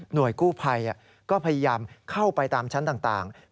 กู้ภัยก็พยายามเข้าไปตามชั้นต่าง